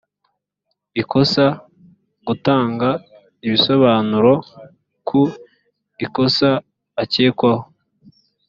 ikosa gutanga ibisobanuro ku ikosa akekwaho